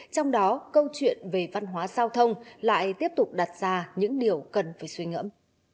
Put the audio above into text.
trong đó câu chuyện về văn hóa giao thông lại tiếp tục đặt ra những điều cần phải suy ngẫm